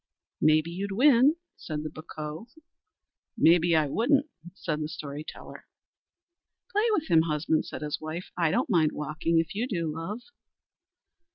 "Maybe you'd win," said the bocough. "Maybe I wouldn't," said the story teller. "Play with him, husband," said his wife. "I don't mind walking, if you do, love."